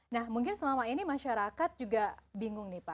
nah mungkin selama ini masyarakat juga bingung